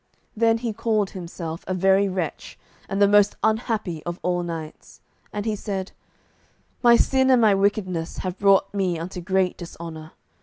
Then he called himself a very wretch, and the most unhappy of all knights. And he said: "My sin and my wickedness have brought me unto great dishonour.